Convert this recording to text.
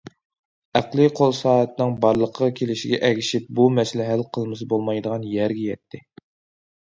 ئەقلىي قول سائەتنىڭ بارلىققا كېلىشىگە ئەگىشىپ، بۇ مەسىلە ھەل قىلمىسا بولمايدىغان يەرگە يەتتى.